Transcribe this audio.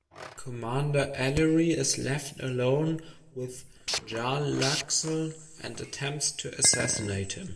Commander Ellery is left alone with Jarlaxle and attempts to assassinate him.